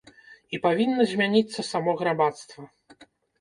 І павінна змяніцца само грамадства.